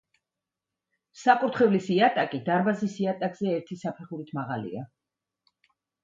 საკურთხევლის იატაკი დარბაზის იატაკზე ერთი საფეხურით მაღალია.